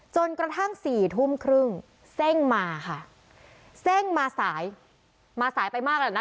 จนกระทั่ง๑๐๓๐เซ้งมาค่ะเซ้งมาสายมาสายไปมากเลยนะ